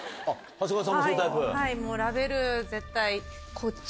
はい。